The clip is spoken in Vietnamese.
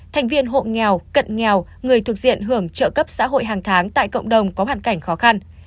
thành viên hộ nghèo cận nghèo người thuộc diện hưởng trợ cấp xã hội hàng tháng tại cộng đồng có hoàn cảnh khó khăn